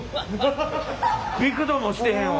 ビクともしてへんわ。